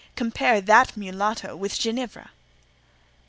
Compare that mulatto with Ginevra!"